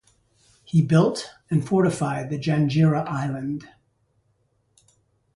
He built and fortified the Janjira Island.